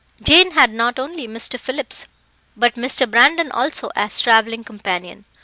Jane had not only Mr. Phillips, but Mr. Brandon also as travelling companion.